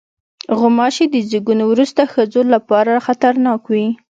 غوماشې د زیږون وروسته ښځو لپاره خطرناک وي.